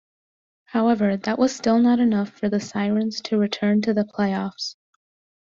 However, that was still not enough for the Sirens to return to the playoffs.